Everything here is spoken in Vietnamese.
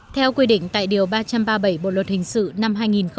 theo quy định tại điều ba trăm ba mươi bảy bộ luật hình sự năm hai nghìn một mươi năm